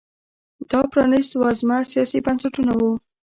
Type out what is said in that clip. دا پرانیست وزمه سیاسي بنسټونه وو